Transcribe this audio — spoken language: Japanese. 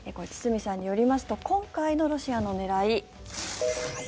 堤さんによりますと今回のロシアの狙い